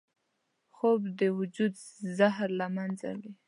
خوب د وجود زهر له منځه وړي